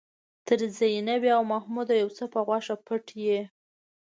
تر زينبې او محموده يو څه په غوښه پټ يې.